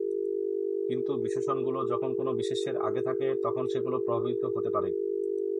কিন্তু, বিশেষণগুলো যখন কোনো বিশেষ্যের আগে থাকে, তখন সেগুলো প্রভাবিত হতে পারে।